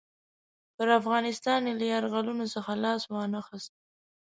پر افغانستان یې له یرغلونو څخه لاس وانه خیست.